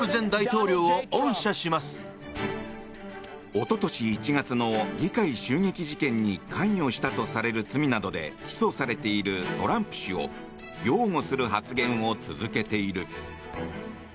一昨年１月の議会襲撃事件に関与したとされる罪などで起訴されているトランプ氏を擁護する発言を続けている。